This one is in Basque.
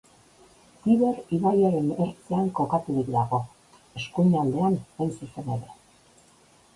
Tiber ibaiaren ertzean kokaturik dago, eskuinaldean hain zuzen ere.